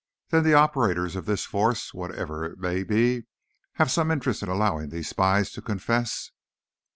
"Then the operators of this force, whatever it may be, have some interest in allowing these spies to confess?"